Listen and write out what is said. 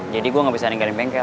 jadi gue gak bisa ninggalin bengkel